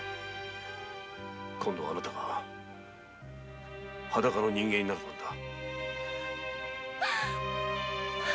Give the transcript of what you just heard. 今度はあなたが裸の人間になる番だ。